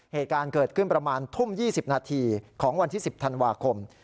เหตุการณ์เกิดขึ้นประมาณทุ่ม๒๐นาทีของวันที่๑๐ธันวาคม